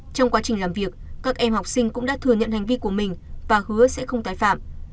trong quá trình làm việc các em học sinh cũng đã thừa nhận hành vi của mình và hứa sẽ không tái phạm